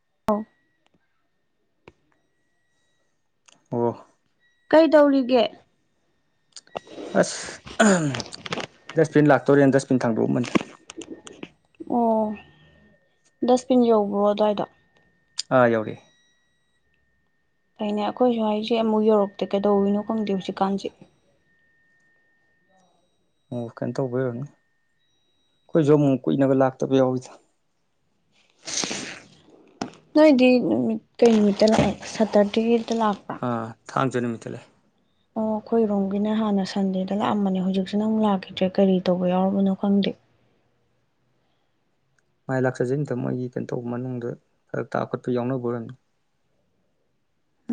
[unintelligible] ꯑꫭ ꯀꯩ ꯇꯧꯔꯤꯒꯦ ꯑꯁ ꯗꯁꯕꯤꯟ ꯂꯥꯛꯇꯣꯔꯦꯅ ꯗꯁꯕꯤꯟ ꯊꯥꯡꯗꯣꯛꯑꯃꯕꯅꯤꯗ ꯑꯣ ꯗꯁꯕꯤꯟ ꯌꯧꯕ꯭ꯔꯣ ꯑꯗꯨꯋꯥꯏꯗ ꯑꯥ ꯌꯧꯔꯛꯑꯦ ꯐꯩꯅꯦ ꯑꯩꯈꯣꯏꯁꯨ ꯍꯥꯏꯁꯦ ꯑꯃꯨꯛ ꯌꯧꯔꯛꯇꯦ ꯀꯩꯗꯧꯋꯤꯅꯣ ꯈꯪꯗꯦ ꯍꯧꯖꯤꯛꯀꯥꯟꯁꯦ ꯑꯣ ꯀꯩꯅꯣ ꯇꯧꯕꯩ ꯌꯥꯔꯝꯅꯤ ꯑꯩꯈꯣꯏꯁꯨ ꯑꯃꯨꯃꯨꯛ ꯀꯨꯏꯅꯒ ꯂꯥꯛꯇꯕ ꯌꯥꯎꯋꯦꯗ ꯅꯣꯏꯗꯤ ꯅꯨꯃꯤꯠ ꯀꯩ ꯅꯨꯃꯤꯠꯇ ꯂꯥꯛꯑꯣ ꯁꯇꯔꯗꯦꯒꯤꯗ ꯂꯥꯛꯄ꯭ꯔꯥ ꯑꯥ ꯊꯥꯡꯖ ꯅꯨꯃꯤꯠꯇ ꯂꯥꯛꯑꯦ ꯑꯣ ꯑꯩꯈꯣꯏꯔꯣꯝꯒꯤꯅ ꯍꯥꯟꯅ ꯁꯟꯗꯦꯗ ꯂꯥꯛꯑꯝꯕꯅꯦ ꯍꯧꯖꯤꯛꯁꯤꯅ ꯃꯨꯛ ꯂꯥꯛꯈꯤꯗ꯭ꯔꯦ ꯀꯔꯤ ꯇꯧꯕ ꯌꯥꯎꯨꯔꯕꯅꯣ ꯈꯪꯗꯦ ꯃꯥꯏ ꯂꯥꯛꯆꯖꯩꯅꯤꯗ ꯃꯣꯏꯒꯤ ꯀꯩꯅꯣ ꯇꯧꯕ ꯃꯅꯨꯡꯗ ꯍꯔꯛꯇ ꯈꫭꯠꯄ ꯌꯥꯎꯅꯕꯑꫭꯏꯔꯝꯅꯤ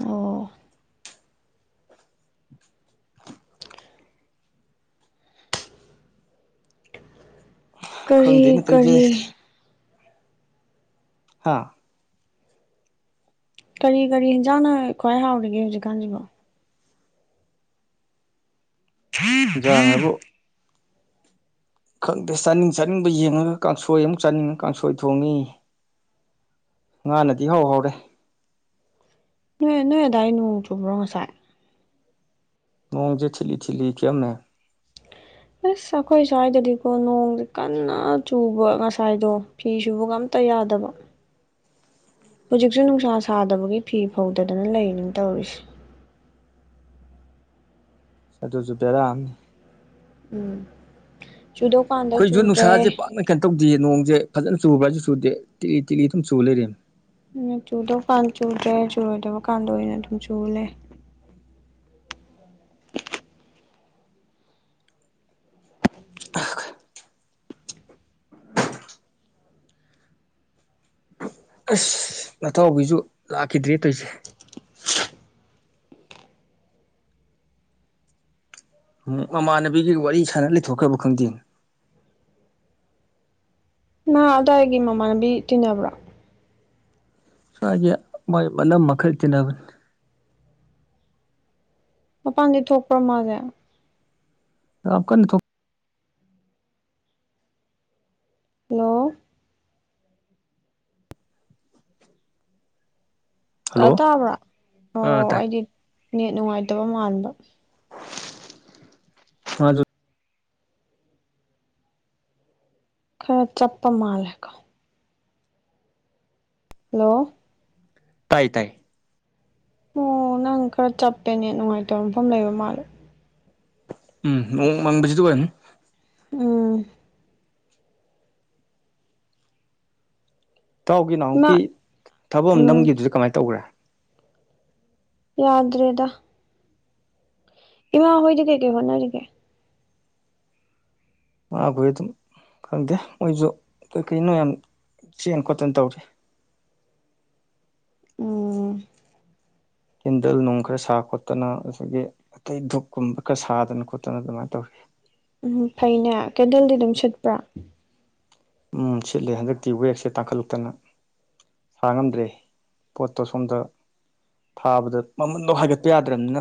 ꯑꯣ [inaudible] ꯀꯔꯤ ꯈꯪꯗꯦꯅꯦ ꯇꯧꯔꯤꯁꯦ ꯀꯔꯤ ꯍꯥꯥ ꯀꯔꯤ ꯀꯔꯤ ꯍꯦꯟꯖꯥꯡꯅ ꯈ꯭ꯋꯥꯏ ꯍꯥꯎꯔꯤꯒꯦ ꯍꯧꯖꯤꯛꯀꯥꯟꯁꯤꯕꯣ ꯏꯟꯖꯥꯡ ꯍꯥꯏꯕꯨ [inaudible] ꯈꯪꯗꯦ ꯆꯥꯅꯤꯡ ꯆꯥꯅꯤꯡꯕ ꯌꯦꯡꯉꯒ ꯀꯥꯡꯁꯣꯏ ꯑꯃꯨꯛ ꯆꯥꯅꯤꯡꯉ ꯀꯥꯡꯁꯣꯏ ꯊꯣꯡꯉꯤ ꯉꯥꯅꯗꯤ ꯏꯍꯧ ꯍꯧꯔꯦ ꯅꯣꯏ ꯅꯣꯏ ꯑꯗꯥꯏ ꯅꯣꯡ ꯆꯨꯕ꯭ꯔꯣ ꯉꯁꯥꯏ ꯃꯣꯡꯁꯦ ꯊꯤꯂꯤ ꯊꯤꯂꯤ ꯈꯤꯛꯑꯝꯅꯦ ꯑꯁ ꯑꯩꯈꯣꯏ ꯁ꯭ꯋꯥꯏꯗꯗꯤꯀꯣ ꯅꯣꯡꯗꯤ ꯀꯟꯅ ꯆꯨꯕ ꯉꯁꯥꯏꯗꯣ ꯐꯤꯁꯤꯕꯨ ꯑꯝꯇ ꯌꯥꯗꯕ ꯍꯧꯖꯤꯛꯁꯨ ꯅꯨꯡꯁꯥ ꯁꯥꯗꯕꯒꯤ ꯐꯤ ꯐꯧꯗꯗꯅ ꯂꯩꯅꯤ ꯇꯧꯔꯤꯁꯦ ꯁꯗꯁꯨꯨꯕꯦꯔꯥꯝꯅꯤ ꯎꯝ ꯆꯨꯗꯣ ꯑꯩꯈꯣꯏꯁꯨ ꯅꯨꯡꯁꯥꯁꯦ ꯄꯥꯛꯅ ꯀꯩꯅꯣ ꯇꯧꯗꯦꯌꯦ ꯅꯣꯡꯁꯦ ꯐꯖꯅ ꯆꯨꯕ꯭ꯔꯥꯁꯨ ꯆꯨꯗꯦ ꯇꯤꯛꯂꯤ ꯇꯤꯛꯂꯤ ꯑꯗꯨꯝ ꯆꯨ ꯂꯩꯔꯤ ꯆꯨꯗꯕ ꯀꯥꯟ ꯆꯨꯗ꯭ꯔꯦ ꯆꯨꯨꯔꯣꯏꯗꯕ ꯀꯥꯟꯗ ꯑꯣꯏꯅ ꯑꯗꯨꯝ ꯆꯨ ꯂꯩꯔꯦ ꯑꯁ ꯅꯇꯥꯎꯕꯤꯁꯨ ꯂꯥꯛꯈꯤꯗ꯭ꯔꯦ ꯇꯧꯁꯦ ꯎꯝ ꯃꯃꯥꯟꯅꯕꯤꯒꯤ ꯋꯥꯔꯤ ꯁꯥꯟꯅ ꯂꯩꯊꯣꯛꯈ꯭ꯔꯕ ꯈꯪꯗꯦꯅꯦ ꯃꯥ ꯑꯗꯨꯋꯥꯏꯒꯤ ꯃꯃꯥꯟꯅꯕꯤ ꯇꯤꯟꯅꯕ꯭ꯔꯣ ꯁꯦ ꯃꯥꯏ ꯃꯅꯝꯃ ꯈꯧ ꯇꯤꯟꯕꯅꯤ ꯃꯄꯥꯟꯗꯤ ꯊꯣꯛꯄ꯭ꯔꯥ ꯃꯥꯁꯦ ꯌꯥꯝ ꯀꯟꯅ ꯊꫭꯛ ꯍꯜꯂꯣ ꯇ ꯍꯜꯂꯣ ꯇꯥꯕ꯭ꯔꯥ ꯑꯥ ꯑꯣ ꯇꯥꯏ ꯑꯩꯗꯤ ꯅꯦꯠ ꯅꯨꯡꯉꯥꯏꯇꯕ ꯃꯥꯟꯕ [unintelligible] ꯈꯔ ꯆꯞꯄ ꯃꯥꯂꯦꯀꯣ ꯍꯜꯂꯣ ꯇꯥꯏ ꯇꯥꯏ ꯑꯣ ꯅꯪ ꯈꯔ ꯆꯞꯄ ꯅꯦꯠ ꯅꯨꯡꯉꯥꯏꯇꯕ ꯃꯐꯝ ꯂꯩꯕ ꯃꯥꯜꯂꯦ ꯎꯝ ꯅꯣꯡ ꯃꯥꯡꯕꯖꯤꯗ ꯑꯥꯏꯔꯝꯅꯤ ꯎꯝ ꯏꯇꯍꯥꯎꯒꯤ ꯏꯃꯥ ꯅꯅꯥꯍꯨꯛꯀꯤ ꯊꯕꯛ ꯑꯃ ꯎꯝ ꯅꯝꯈꯤꯕꯗꯨꯁꯨ ꯀꯃꯥꯏꯅ ꯇꯧꯈ꯭ꯔꯦ ꯌꯥꯗ꯭ꯔꯦꯗ ꯏꯃꯥ ꯍꯣꯏꯗꯤ ꯀꯩ ꯀꯩ ꯍꯣꯠꯅꯔꯤꯒꯦ ꯃꯥꯈꯣꯏ ꯑꯗꯨꯝ ꯈꯪꯗꯦ ꯃꯣꯏꯁꯨ ꯀꯩ ꯀꯔꯤꯅꯣ ꯌꯥꯝ ꯆꯦꯟ ꯈꯣꯠꯇꯅ ꯇꯧꯔꯤ ꯎꯝ ꯀꯦꯟꯗꯜ ꯅꯨꯡ ꯈꯔ ꯁꯥ ꯈꯣꯠꯇꯅ ꯑꯗꯒꯤ ꯑꯇꯩ ꯙꯨꯞ ꯀꯨꯝꯕ ꯈꯔ ꯁꯥꯗꯅ ꯈꯣꯠꯇꯅ ꯑꯗꯨꯃꯥꯏꯅ ꯇꯧꯔꯤ ꯎꯝ ꯐꯩꯅꯦ ꯀꯦꯟꯗꯜꯗꯤ ꯑꯗꯨꯝ ꯁꯤꯠꯄ꯭ꯔꯥ ꯎ ꯁꯤꯠꯂꯦ ꯍꯟꯗꯛꯇꯤ ꯋꯦꯛꯁꯦ ꯇꯥꯡꯈꯠꯂꯛꯇꯅ ꯍꯥꯡꯉꯝꯗ꯭ꯔꯦ ꯄꯣꯠꯇꯣ ꯁꯣꯝꯗ ꯊꯥꯕꯗ ꯃꯃꯟꯗꯣ ꯍꯥꯏꯒꯠꯄ ꯌꯥꯗ꯭ꯔꯕꯅꯤꯅ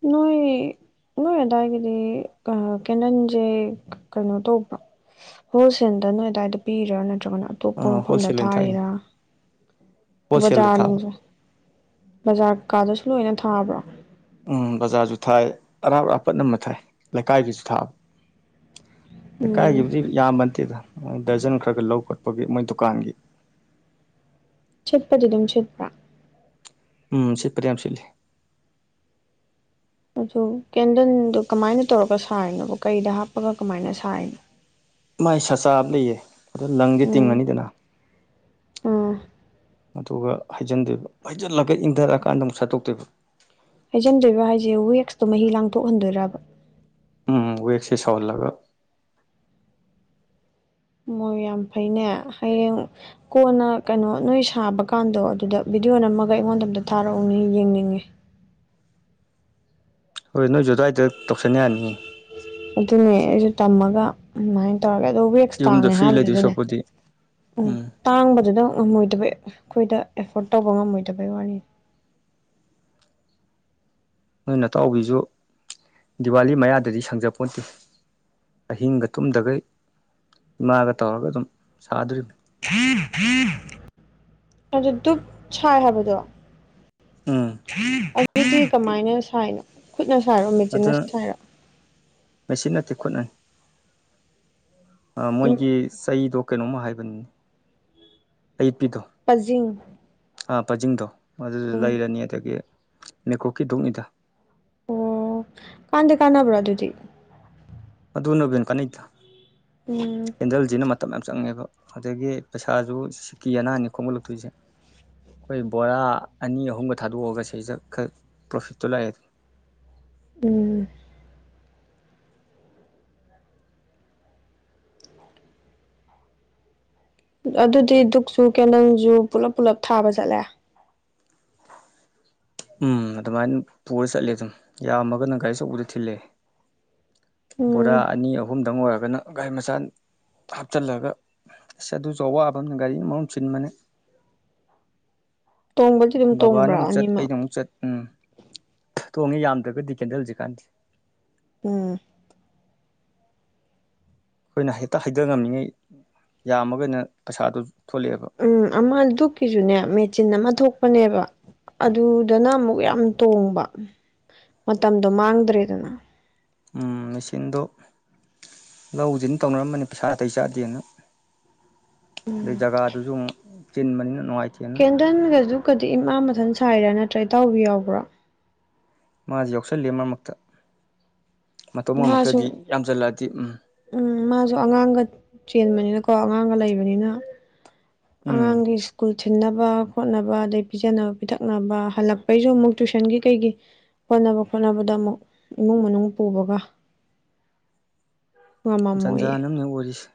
ꯅꯣꯏ ꯅꯣꯏ ꯑꯗꯥꯏꯒꯤꯗꯤ ꯀꯦꯅꯟꯁꯦ ꯀꯩꯅꯣ ꯇꯧꯕ꯭ꯔꯣ ꯍꯣꯜꯁꯦꯜꯗ ꯅꯣꯏ ꯑꯗꯨꯗꯥꯋꯥꯏꯗ ꯄꯤꯔꯤꯔꯥ ꯅꯠꯇ꯭ꯔꯒꯅ ꯑꯇꯣꯞꯄ ꯃꯐꯝꯗ ꯍꯣꯜꯁꯦꯜ ꯑꯣꯏꯅ ꯊꯥꯏꯅꯤ ꯊꯥꯔꯤꯔꯥ ꯍꯣꯜꯁꯦꯜꯗ ꯕꯖꯥꯔ ꯊꯥꯕ ꯅꯨꯡꯁ ꯕꯖꯥꯔ ꯀꯥꯗꯁꯨ ꯂꯣꯏꯅ ꯊꯥꯕ꯭ꯔꯣ ꯎꯝ ꯕꯖꯥꯔꯁꯨ ꯊꯥꯏ ꯑꯔꯥꯞ ꯑꯔꯥꯄꯠ ꯑꯃ ꯊꯥꯏ ꯂꯩꯀꯥꯏꯒꯤꯁꯨ ꯊꯥꯕ ꯎꯝ ꯂꯩꯀꯥꯏꯒꯤꯕꯨꯗꯤ ꯌꯥꯝꯃꯟꯗꯦꯗ ꯗꯔꯖꯟ ꯈꯔ ꯈꯔ ꯂꯧ ꯈꯣꯠꯄꯒꯤ ꯃꯣꯏ ꯗꯨꯀꯥꯟꯒꯤ ꯁꯤꯠꯄꯗꯤ ꯑꯗꯨꯝ ꯆꯠꯄ꯭ꯔꯥ ꯎꯝ ꯁꯤꯄꯔꯤ ꯌꯥꯝ ꯁꯤꯦꯂꯜꯂꯤ ꯑꯗꯨ ꯀꯦꯟꯗꯜꯗꯨꯣ ꯀꯃꯥꯏꯅ ꯇꯧꯔꯒ ꯁꯥꯔꯤꯅꯣꯕ ꯀꯩꯗ ꯍꯥꯞꯄꯒ ꯀꯃꯥꯏꯅ ꯁꯔꯤꯅꯣ ꯃꯥꯏ ꯁꯆꯥꯕ ꯂꯩꯑ ꯑꯗ ꯂꯪꯁꯦ ꯎꯝ ꯇꯤꯡꯉꯅꯤꯗꯅ ꯎꯝ ꯑꯗꯨꯒ ꯍꯩꯖꯤꯟꯗꯦꯕ ꯍꯩꯖꯤꯜꯂꯒ ꯏꯪꯊꯔꯛꯑꯀꯥꯟꯗ ꯑꯃꯨꯛ ꯁꯠꯇꯣꯛꯇꯦꯕ ꯍꯩꯖꯤꯟꯗꯣꯏꯕ ꯍꯥꯏꯁꯦ ꯋꯦꯛꯁꯇꯣ ꯃꯍꯤ ꯂꯥꯡꯊꯣꯛꯍꯟꯗꯣꯏꯔꯕ ꯎꯝ ꯋꯦꯛꯁꯦ ꯁꯧꯍꯜꯂꯒ ꯃꯣꯏꯌꯥꯝꯐꯩꯅꯦ ꯍꯌꯦꯡ ꯀꯣꯟꯅ ꯀꯩꯅꯣ ꯅꯣꯏ ꯁꯥꯕ ꯀꯥꯟꯗꯣ ꯑꯗꯨꯗ ꯕꯤꯗꯤꯑꯣ ꯅꯝꯃꯒ ꯑꯩꯉꯣꯟꯗ ꯑꯝꯗ ꯊꯥꯔꯛꯎꯅꯤ ꯌꯦꯡꯅꯤꯡꯉꯤ ꯍꯣꯏ ꯅꯣꯏꯁꯨ ꯑꯗꯨ꯭ꯋꯥꯏꯗ ꯇꯧꯁꯟ ꯌꯥꯅꯤ ꯑꯗꯨꯅꯦ ꯑꯩꯁꯨ ꯇꯝꯃꯒ ꯑꯗꯨꯃꯥꯏꯅ ꯇꯧꯔꯒꯦꯗꯧꯕꯋ ꯌꯨꯝꯗ ꯇꯥꯡꯉꯦ ꯐ꯭ꯔꯤ ꯍꯥꯏꯕꯗꯨ ꯂꯩꯗꯣꯏ ꯑꯗꯨꯅꯦ ꯁꯔꯨꯛꯄꯨꯗꯤ ꯎꯝ ꯇꯥꯡꯕꯗꯨꯗ ꯉꯝꯃꯣꯏꯗꯕ ꯑꯩꯈꯣꯏꯗ ꯑꯦꯐꯣꯔꯠ ꯇꯧꯕ ꯉꯝꯃꯣꯏꯗꯕꯩ ꯋꯥꯔꯤꯅꯤ ꯅꯣꯏ ꯑꯇꯥꯎꯕꯤꯁꯨ ꯗꯤꯋꯥꯂꯤ ꯃꯌꯥꯗꯗꯤ ꯁꯪꯖꯄꯣꯟꯠꯇꯦ ꯑꯍꯤꯡꯒ ꯇꯨꯝꯗꯈꯩ ꯏꯃꯥꯒ ꯇꯧꯔꯒ ꯑꯗꯨꯝ ꯁꯥꯗꯣꯔꯤꯕꯅꯤ ꯑꯗꯨꯗ ꯗꯨꯞ ꯁꯥꯏ ꯍꯕꯗꯣ ꯎꯝ ꯑꯗꯨꯗꯤ ꯀꯃꯥꯏꯅ ꯁꯥꯏꯅꯣ ꯈꯨꯠꯅ ꯁꯥꯏꯔꯣ ꯃꯦꯆꯤꯟꯅ ꯁꯥꯏꯔꯣ ꯃꯦꯆ ꯅꯠꯇꯦ ꯈꯨꯠꯅꯩ ꯃꯣꯏꯒꯤ ꯆꯩꯗꯣ ꯀꯩꯅꯣꯝꯃ ꯍꯥꯏꯕꯅꯤ ꯑꯌꯠꯄꯤꯗꯣ ꯄꯖꯤꯤꯡ ꯄꯖꯤꯡꯗꯣ ꯑꯗꯨꯁꯨ ꯂꯩꯔꯅꯤ ꯑꯗꯒꯤ ꯅꯦꯀꯣꯛꯀꯤ ꯣꯛꯅꯤꯗ ꯑꯣ ꯀꯥꯟꯗꯦ ꯀꯥꯟꯅꯕ꯭ꯔꯣ ꯑꯗꯨꯗꯤ ꯃꯅꯣꯕꯅ ꯀꯅꯤꯠꯇ ꯎꯝ ꯀꯦꯟꯗꯜꯁꯤꯅ ꯃꯇꯝ ꯌꯥꯝ ꯆꯪꯉꯦꯕ ꯑꯗꯒꯤ ꯄꯩꯁꯥꯁꯨ ꯁꯤꯀꯤ ꯑꯅꯥꯅꯤ ꯈꯣꯝꯒꯠꯂꯛꯇꯣꯏꯁꯦ ꯑꯩꯈꯣꯏ ꯕꯣꯔꯥ ꯑꯅꯤ ꯑꯍꯨꯝꯒ ꯊꯥꯗꯣꯛꯑꯒ ꯁꯤꯗ ꯈꯔ ꯄ꯭ꯔꯣꯐꯤꯠꯇꯨ ꯂꯥꯛꯑꯦ ꯎꯝ ꯑꯗꯨꯗꯤ ꯗꯨꯛꯁꯨ ꯀꯦꯟꯗꯜꯁꯨ ꯄꯨꯂꯞ ꯄꯨꯜꯂꯞ ꯊꯥꯕ ꯆꯠꯂꯦ ꯎꯝ ꯑꯗꯨꯃꯥꯏꯅ ꯄꯨꯔ ꯆꯠꯂꯦ ꯑꯗꯨꯝ ꯌꯥꯝꯃꯒꯅ ꯒꯥꯔꯤꯁꯨꯧꯕꯗ ꯊꯤꯜꯂꯦ ꯕꯣꯔꯥ ꯎꯝ ꯑꯅꯤ ꯑꯍꯨꯝꯗꯪ ꯑꯣꯏꯔꯒꯅ ꯒꯥꯥꯏ ꯃꯆꯥ ꯍꯥꯞꯆꯤꯜꯂꯒ ꯑꯁ ꯑꯗꯨꯁꯨ ꯑꯋꯥꯕ ꯑꯃꯅ ꯒꯥꯔꯤ ꯃꯔꯣꯝ ꯆꯤꯟꯕꯅꯦ ꯇꯣꯡꯕꯗꯤ ꯑꯗꯨꯝ ꯕꯕꯥꯅ ꯇꯣꯡꯕ꯭ꯔꯥ ꯑꯃꯨꯛ ꯆꯠ ꯑꯅꯤꯃꯛ ꯑꯩꯅ ꯑꯃꯨꯛ ꯆꯠ ꯎꯝ ꯇꯣꯡꯉꯦ ꯌꯥꯝꯗ꯭ꯔꯒꯗꯤ ꯀꯦꯟꯗꯜꯁꯤꯛ ꯀꯥꯟꯁꯦ ꯎꯝ ꯑꯩꯈꯣꯏꯅ ꯍꯦꯛꯇ ꯍꯩꯊ ꯉꯝꯃꯤꯉꯩ ꯌꯥꯝꯃꯒ ꯑꯣꯏꯅ ꯄꯩꯁꯥꯗꯨ ꯊꯣꯛꯂꯛꯑꯦꯕ ꯎꯝ ꯑꯃ ꯗꯨꯛꯀꯤꯁꯨꯅꯦ ꯃꯦꯆꯤꯟ ꯑꯃ ꯊꯣꯛꯄꯅꯦꯕ ꯑꯗꯨꯗꯅ ꯑꯃꯨꯛ ꯌꯥꯝ ꯇꯣꯡꯕ ꯃꯇꯝꯗꯣ ꯃꯥꯡꯗ꯭ꯔꯦꯗꯅ ꯎꯝ ꯃꯦꯆꯤꯟꯗꯨꯣ ꯂꯧꯁꯤꯅ ꯇꯧꯅꯔꯝꯕꯅꯤ ꯄꯩꯁꯥ ꯑꯇꯩ ꯆꯥꯗꯦꯅ ꯑꯗꯩ ꯖꯒꯥꯗꯨꯁꯨ ꯑꯃꯨꯛ ꯆꯤꯟꯕꯅꯤꯅ ꯅꯨꯡꯉꯥꯏꯇꯦꯑꯅ ꯀ‌ꯦꯟꯗꯟꯒ ꯗꯨꯛꯀꯗꯤ ꯏꯃꯥ ꯃꯊꯟ ꯁꯥꯏꯔꯥ ꯅꯠꯇ꯭ꯔ ꯏꯇꯥꯎꯕꯤ ꯌꯥꯎꯕ꯭ꯔꫭ ꯃꯥꯁꯨ ꯌꯥꯎꯁꯜꯂꯤ ꯃꯔꯛ ꯃꯔꯛꯇ ꯃꯇꫭꯝ ꯉꯝꯃꯛꯇꯔꯗꯤ ꯃꯥꯁꯨ ꯌꯥꯝꯁꯤꯜꯂꯛꯑꯗꯤ ꯎꯝ ꯎꯝ ꯃꯥꯁꯨ ꯑꯉꯥꯡꯒ ꯆꯦꯟꯕꯅꯤꯅꯀꯣ ꯑꯉꯥꯡꯒ ꯂꯩꯕꯅꯤꯅ ꯎꯝ ꯑꯉꯥꯡꯗꯤ ꯏꯁ꯭ꯀꯨꯜ ꯊꯤꯟꯅꯕ ꯈꯣꯠꯅꯕ ꯑꯗꯩ ꯄꯤꯖꯅꯕ ꯄꯤꯊꯛꯅꯕ ꯍꯜꯂꯛꯄꯩꯁꯨ ꯑꯃꯨꯛ ꯇꯨꯏꯁꯟꯒꯤ ꯀꯩꯒꯤ ꯍꯣꯠꯅꯕ ꯈꯣꯠꯅꯕꯗ ꯑꯃꯨꯛ ꯏꯃꯨꯡ ꯃꯅꯨꯡ ꯄꯨꯕꯒ ꯖꯟꯖꯥꯟ ꯉꯝꯃꯝꯃꯣꯏꯌꯦ ꯑꯃꯅ‌ꯦ ꯑꯣꯏꯔꯤꯁꯦ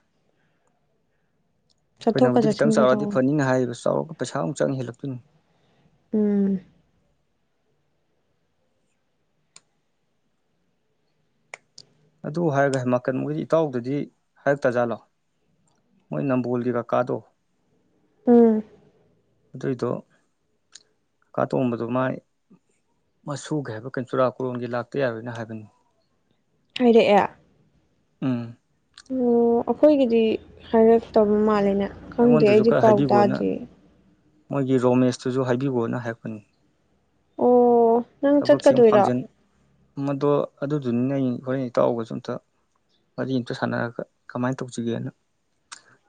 ꯆꯠꯊꯣꯛꯀ ꯑꯩꯈꯣꯏꯅꯕꯨꯛ ꯈꯤꯇꯪ ꯆꯠꯁꯤꯟꯒ ꯆꯥꯎꯔꯑꯗꯤ ꯇꯧꯕ ꯐꯅꯤꯅ ꯍꯥꯏꯔꯤꯕ ꯆꯥꯎꯔꯛ ꯄꯁꯥ ꯑꯃꯨꯛ ꯆꯪ ꯍꯦꯜꯂꯛꯇꫭꯏꯅꯤ ꯎꯝ ꯑꯗꯨ ꯍꯥꯏꯔꯒ ꯍꯥꯏꯃ ꯀ ꯍꫭꯏꯗꯤ ꯏꯇꯥꯎꯗꯗꯤ ꯍꯥꯏꯔꯛ ꯇꯥꯖꯥꯠꯂꯣ ꯃꯣꯏ ꯅꯝꯕꯣꯜꯒꯤ ꯀꯀꯥꯗꯣ ꯎꯝ ꯑꯗꯨꯏꯗꯣ ꯀꯥ ꯇꯣꯝꯕꯗꯣ ꯃꯥꯏ ꯃꯁꯨꯒꯤ ꯍꯥꯏꯕ ꯀ ꯆꯨꯔꯥꯀꯣꯔꯣꯟꯒꯤ ꯂꯥꯛꯇ ꯌꯥꯔꯣꯏꯅ ꯍꯥꯏꯕꯅꯤ ꯍꯥꯏꯔꯛꯑꯦ ꯎꯝ ꯑꯣ ꯑꯩꯈꯣꯏꯒꯤꯗꯤ ꯍꯥꯏꯔꯛꯇꯕ ꯃꯥꯜꯂꯦꯅꯦ ꯈꯪꯗꯦ ꯑꯩꯉꯣꯟꯗꯁꯨ ꯑꯩꯗꯤ ꯈꯔ ꯄꯥꯎ ꯍꯥꯏꯕꯤꯈꯣꯅ ꯇꯥꯗ꯭ꯦ ꯃꯣꯏꯒꯤ ꯔꯣꯃꯦꯁꯇꯨꯁꯨ ꯍꯥꯏꯕꯤꯒꫭꯅ ꯍꯥꯏꯔꯛꯄꯅꯤ ꯑꯣ ꯅꯪ ꯊꯕꯛꯁ‌ꯦ ꯑꯃꯨꯛ ꯆꯠꯀꯗꯣꯏꯔꯣ ꯐꯥꯡꯖꯟ ꯃꯗꯣ ꯑꯗꯨꯗꯨꯅꯤꯅꯦ ꯑꯩ ꯍꯣꯔꯦꯟ ꯏꯇꯥꯎꯒꯁꯨ ꯑꯝꯇ ꯋꯥꯔꯤ ꯑꯝꯇ ꯁꯥꯟꯅꯔꯒ ꯀꯃꯥꯏꯅ ꯇꯧꯁꯤꯒꯦꯅ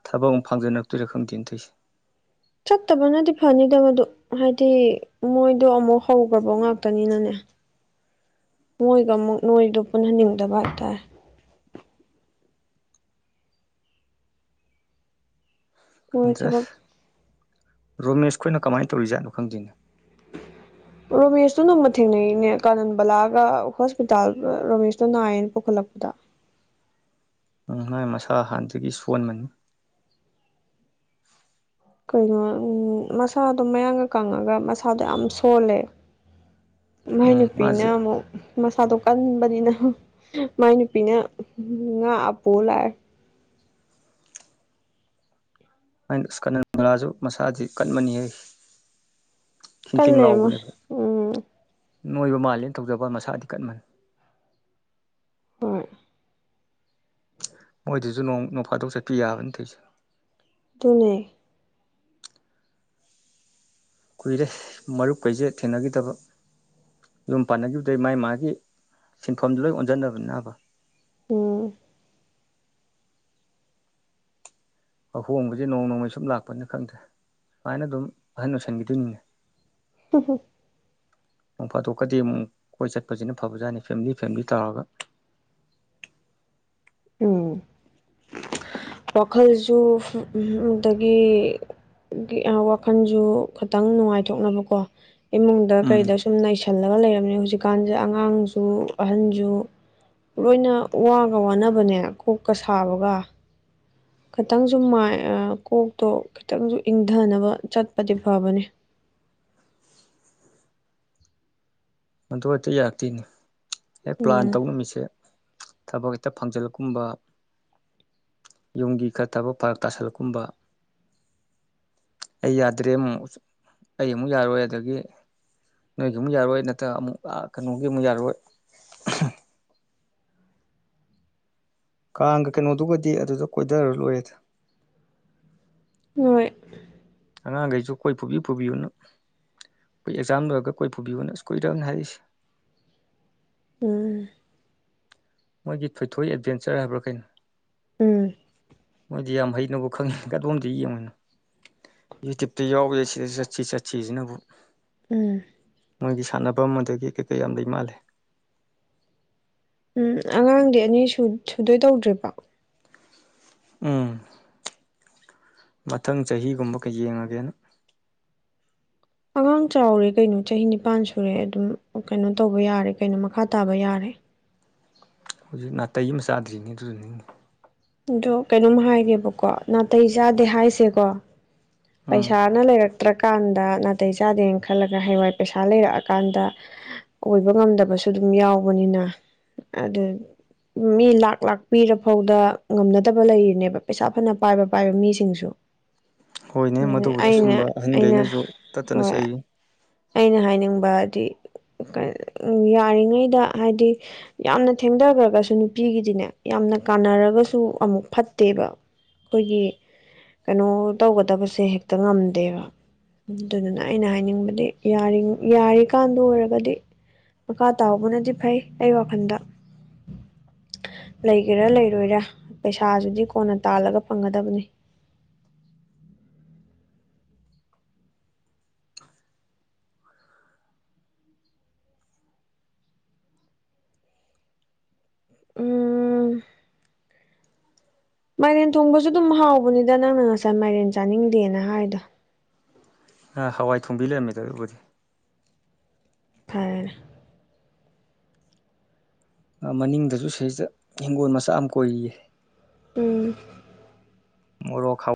ꯊꯕꯛ ꯐꯥꯡꯖꯟꯅꯔꯛꯇꯣꯏꯔ ꯈꯪꯗꯦꯅ‌ꯦ ꯇꯣꯏꯁꯦ ꯆꯠꯇꯕꯅꯗꯤ ꯐꯅꯤꯗ ꯃꯗꯨ ꯍꯥꯏꯗꯤ ꯃꯣꯏꯗꯣ ꯑꯃꯨꯛ ꯍꯧꯈ꯭ꯔꯕ ꯉꯥꯛꯇꯅꯤꯅꯅꯦ ꯃꯣꯏꯒ ꯑꯃꯨꯛ ꯅꯣꯏꯗꯣ ꯄꯨꯟꯍꯟꯅꯤꯡꯗꯕ ꯍꯥꯏꯇꯥꯔꯦ ꯃꯣꯏ ꯅꯗ꯭ꯔꯦ ꯊꯕꯛ [unintelligible] ꯔꯣꯃꯦꯁ ꯈꯣꯏꯅ ꯀꯃꯥꯏꯅ ꯇꯧꯔꯤꯖꯥꯠꯅꯣ ꯈꯪꯗꯦꯅꯦ ꯎ [unintelligible] ꯔꯣꯃꯦꯁꯇꯣ ꯅꫭꯡꯃ ꯊꯦꯡꯅꯩꯅꯦ ꯀꯥꯅꯟꯕꯂꯥꯒ ꯍꯣꯁꯄꯤꯇꯥꯜꯗ ꯔꯣꯃꯦꯁꯇꯣ ꯅꯥꯏꯌꯦꯅ ꯄꯨꯈꯠꯂꯛꯄꯗ ꯎꯝ ꯃꯥꯏ ꯃꯁꯥ ꯍꯥꯟꯅꯗꯒꯤ ꯁꯣꯟꯕꯅꯤ ꯀꯩꯅꯣ ꯎꯝ ꯃꯁꯥꯗꯣ ꯃꯌꯥꯡꯒ ꯀꯪꯉꯒ ꯃꯁꯥꯗꯣ ꯌꯥꯝ ꯁꯣꯜꯂꯦ ꯃꯥꯏ ꯎꯝ ꯅꯨꯨꯄꯤꯅ ꯃꯥꯁꯦ ꯑꯃꯨꯛ ꯃꯁꯥꯗꯣ ꯀꯟꯕꯅꯤꯅ ꯃꯥꯏ ꯅꯨꯄꯤꯅ ꯉꯥꯛꯑ ꯄꯨꯂꯥꯛꯑꯦ ꯑꯩꯅ ꯑꯁ ꯀꯟꯅꯟꯕꯂꯥꯁꯨ ꯃꯁꯥꯗꯤ ꯀꯟꯃꯅꯤꯍ‌ꯦ ꯈ‌ꯦꯡꯈ‌ꯦꯡ ꯀꯜꯂꯦ ꯃꯣꯏ ꯂꯥꯎꯕꯅꯦꯕ ꯎꯝ ꯅꯣꯏꯕ ꯃꯥꯜꯂꯦꯅ ꯇꯧꯖꯕ ꯋꯥꯅꯤꯅ ꯃꯁꯥꯗꯤ ꯀꯟꯕꯅꯤ ꯍꯣꯏ ꯃꯣꯏꯗꯁꯨ ꯅꯣꯡ ꯅꯣꯡꯐꯥꯗꯣꯛ ꯆꯠꯄꯤ ꯌꯥꯕꯅ ꯇꯧꯁꯦ ꯑꯗꯨꯅꯦ ꯀꯨꯏꯔꯦ ꯃꯔꯨꯞ ꯀꯩꯁꯦ ꯊꯦꯡꯅꯈꯤꯗꯕ ꯌꯨꯝ ꯄꯥꯟꯅꯈꯤꯕꯗꯩ ꯃꯥꯏ ꯃꯥꯒꯤ ꯁꯤꯟꯐꯝꯗꯨ ꯂꯣꯏ ꯑꯣꯟꯁꯤꯟꯅꯕꯅꯤꯅꯕ ꯎꯝ ꯑꯍꯣꯡꯕꯁꯦ ꯅꯣꯡ ꯅꯣꯡꯃꯒꯤ ꯁꯨꯝ ꯂꯥꯛꯄꯅꯤ ꯈꯪꯗ‌ꯦ ꯁꯨꯃꯥꯏꯅ ꯑꯗꯨꯝ ꯑꯍꯟ ꯑꯣꯏꯁꯤꯟꯈꯤꯗꯣꯏꯅꯤꯅꯦ ꯎꯍꯣ [unintelligible] ꯅꯣꯡ ꯐꯥꯗꯣꯛꯀꯗꯤ ꯑꯃꯨꯛ ꯀꯣꯏ ꯆꯠꯄꯁꯤꯅ ꯐꯕꯖꯥꯠꯅꯤ ꯐꯦꯃꯤꯂꯤ ꯐꯦꯃꯤꯂꯤ ꯇꯥꯔꯒ ꯎꯝ ꯋꯥꯈꯜꯁꯨ [unintelligible] ꯇꯒꯤ ꯋꯥꯈꯜꯁꯨ ꯈꯇꯪ ꯅꯨꯡꯉꯥꯏꯊꯣꯛꯅꯕꯀꯣ ꯏꯃꯨꯡꯗ ꯀꯩꯗꯁꯨ ꯁꯨꯝ ꯅꯩꯁꯜꯂꯒ ꯂꯩꯔꯝꯃꯦ ꯍꯧꯖꯤꯛꯀꯥꯟꯁꯦ ꯑꯉꯥꯡꯁꯨ ꯑꯍꯟꯁꯨ ꯂꯣꯏꯅ ꯋꯥꯒ ꯋꯥꯅꯕꯅꯦ ꯀꯣꯛꯀ ꯁꯥꯕꯒ ꯈꯇꯪꯁꯨ ꯃꯥꯏ ꯑ ꯀꯣꯛꯇꯣ ꯈꯤꯇꯪꯁꯨ ꯏꯪꯙꯅꯕ ꯆꯠꯄꯗꯤ ꯐꯕꯅꯦ ꯑꯗꯨ ꯍꯦꯛꯇ ꯌꯥꯔꯛꯇꯦꯅꯦ ꯍꯦꯛ ꯄ꯭ꯂꯥꯟ ꯎꯝ ꯇꯧꯅꯨꯃꯤꯁꯦ ꯊꯕꯛ ꯍꯦꯛꯇ ꯐꯪꯖꯜꯂꯛꯀꯨꯝꯕꯊꯡ ꯌꯨꯝꯒꯤ ꯈꯔꯔ ꯊꯕꯛ ꯐꯥꯔꯛ ꯇꯥꯁꯜꯂꯛꯀꯨꯝꯕ ꯑꯩ ꯌꯥꯗ꯭ꯔꯦ ꯑꯃꯨꯛ ꯑꯩ ꯑꯃꯨꯛ ꯌꯥꯔꯣꯏ ꯑꯗꯒꯤ ꯅꯣꯏꯒꯤꯃꯨꯛ ꯌꯥꯔꯣꯏ ꯅꯠꯇ ꯑꯃꯨꯛ ꯑ ꯀꯅꯣꯒꯤ ꯑꯃꯨꯛ ꯌꯥꯔꯑꯣꯏ ꯀꯥꯡꯒ ꯀꯩꯅꯣꯗꯨꯒꯗꯤ ꯑꯗꯨꯗ ꯀꯣꯏꯗꯔ ꯂꯣꯏꯔꯦꯗ ꯍꯣꯏ ꯑꯉꯥꯡꯈꯩꯁꯨ ꯀꯣꯏ ꯄꯨꯕꯤ ꯄꯨꯕꯤꯌꯨꯅ ꯑꯣꯏ ꯑꯦꯛꯖꯥꯝ ꯂꯣꯏꯔꯒ ꯀꯣꯏ ꯄꯨꯕꯤꯌꯨꯅ ꯏꯁ ꯀꯨꯏꯔꯝꯅꯤ ꯍꯥꯏꯔꯛꯏꯁꯤ꯫ ꯎꯝ ꯃꯣꯏꯒꯤ ꯊꯣꯏꯊꯣꯏ ꯑꯦꯗꯚꯦꯟꯆꯔ ꯍꯥꯏꯕ꯭ꯔꯥ ꯀꯩꯅꯣ ꯎꯝ ꯃꯣꯏꯗꯤ ꯌꯥꯝ ꯍꯩꯅꯕꯨ ꯈꯪꯉꯤ ꯀꯗꯣꯝꯗꯩ ꯌꯦꯡꯉꯨꯏꯅꯣ ꯌꯨꯇ꯭ꯌꯨꯕꯇ ꯌꯥꯎꯑꯦ ꯁꯤꯗ ꯆꯠꯁꯤ ꯆꯠꯁꯤ ꯆꯠꯁꯤꯖꯤꯅꯕꯨ ꯎꯝ ꯃꯣꯏꯒꯤ ꯁꯥꯟꯅꯕꯝ ꯑꯗꯒꯤ ꯀꯩ ꯀꯩ ꯌꯥꯝ ꯂꯩ ꯃꯥꯜꯂꯦ ꯎꯝ ꯑꯉꯥꯡꯗꯤ ꯑꯅꯤ ꯁꯨ ꯁꯨꯗꯣꯏ ꯇꯧꯗ꯭ꯔꯤꯕꯣ ꯎꯝ ꯃꯊꯪ ꯆꯍꯤꯒꯨꯝꯕꯀ ꯌꯦꯡꯉꯒꯦꯅ ꯑꯉꯥꯡ ꯆꯥꯎꯔꯦ ꯀꯩꯅꯣ ꯆꯍꯤ ꯅꯤꯄꯥꯟ ꯁꯨꯔꯦ ꯑꯗꯨꯝ ꯀꯩꯅꯣ ꯇꯧꯕ ꯌꯥꯔꯦ ꯀꯩꯅꯣ ꯃꯈꯥ ꯇꯥꯕ ꯌꯥꯔꯦ ꯍꯨꯖꯤꯛ ꯅꯥꯇꯩ ꯑꯃ ꯆꯥꯗ꯭ꯔꯤꯅꯦ ꯑꯗꯨꯗꯅꯤꯅꯦ ꯑꯗꯣ ꯀꯩꯅꯣꯝ ꯍꯥꯏꯒꯦꯕꯀꯣ ꯅꯥꯇꯩ ꯆꯥꯗꯦ ꯍꯥꯏꯁꯦꯀꯣ ꯎꯝ ꯄꯩꯁꯥꯅ ꯂꯩꯔꯛꯇ꯭ꯔꯛ ꯀꯥꯟꯗ ꯅꯥꯇꯩ ꯆꯥꯗꯦꯅ ꯈꯜꯂꯒ ꯍꯌꯦꯡꯋꯥꯏ ꯄꯩꯁꯥ ꯂꯩꯔꯛꯑꯀꯥꯟꯗ ꯑꯣꯏꯕ ꯉꯝꯗꯕꯁꯨ ꯑꯗꯨꯝ ꯌꯥꯎꯕꯅꯤꯅ ꯑꯗꯨ ꯃꯤ ꯂꯥꯛ ꯂꯥꯛ ꯄꯤꯔꯐꯥꯎꯗ ꯉꯝꯅꯗꯕ ꯂꯩꯔꯤꯅꯦꯕ ꯄꯩꯁꯥ ꯐꯅ ꯄꯥꯏꯕ ꯄꯥꯏꯕ ꯃꯤꯁꯤꯡꯁꯨ ꯍꯣꯏꯅꯦ ꯑꯗꯨꯅꯦ ꯃꯗꯨꯕꯨꯗꯤ ꯑꯩꯅ ꯁꯨꯝꯕ ꯑꯩꯅ ꯑꯍꯟꯈꯩꯅꯁꯨ ꯇꯠꯇꯅ ꯍꯣꯏ ꯆꯩꯔꯤ ꯑꯩꯅ ꯍꯥꯏꯅꯤꯡꯕꯗꯤ ꯌꯥꯔꯤꯉꯩꯗ ꯍꯥꯏꯗꯤ ꯌꯥꯝꯅ ꯊꯦꯡꯗꯒ꯭ꯔꯒꯁꯨ ꯅꯨꯄꯤꯒꯤꯗꯤꯅꯦ ꯌꯥꯝꯅ ꯀꯥꯟꯅꯔꯒꯁꯨ ꯑꯃꯨꯛ ꯐꯠꯇꯦꯕ ꯈꯣꯏꯒꯤ ꯀꯩꯅꯣ ꯇꯧꯒꯗꯕꯁꯦ ꯍꯦꯛꯇ ꯉꯝꯗꯦꯕ ꯑꯗꯨꯗꯨꯅ ꯑꯩꯅ ꯍꯥꯏꯅꯤꯡꯕꯗꯤ ꯌꯥꯔꯤꯡ ꯌꯥꯔꯤꯀꯥꯟꯗ ꯑꯣꯏꯔꯒꯗꯤ ꯃꯈꯥ ꯇꯥꯍꯧꯕꯅꯗꯤ ꯐꯩ ꯑꯩ ꯋꯥꯈꯟꯗ ꯂꯩꯒꯦꯔꯥ ꯂꯩꯔꯣꯏꯔꯥ ꯄꯩꯁꯥꯖꯤꯗꯤ ꯀꯣꯟꯅ ꯇꯥꯜꯂꯒ ꯐꯪꯒꯗꯕꯅꯤ ꯎꯝ ꯃꯥꯏꯔꯦꯟ ꯊꯣꯡꯕꯁꯨ ꯑꯗꯨꯝ ꯍꯥꯎꯕꯅꯤꯗ ꯅꯪꯅ ꯉꯁꯥꯏ ꯃꯥꯏꯔꯦꯟ ꯆꯥꯅꯤꯡꯗꯦꯅ ꯍꯥꯔꯤꯗꯣ ꯍ ꯍꯋꯥꯏ ꯊꯣꯡꯕꯤ ꯂꯩꯔꯝꯃꯦꯗ ꯑꯗꯨꯕꯨꯗꯤ ꯐꯔꯦꯅꯦ ꯑ ꯃꯅꯤꯡꯗꯁꯨ ꯁꯤꯗꯩꯩ ꯁꯤꯗꯥ ꯍꯤꯡꯒꯣꯟ ꯃꯆꯥ ꯑꯃ ꯀꯣꯏꯔꯤꯌꯦ ꯎꯝ ꯃꯣꯔꯣꯛ ꯈꯥꯎ